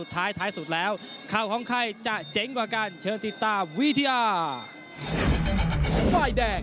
ข้าวของใครจะเจ๋งกว่ากันเชิญติดตามวิทยา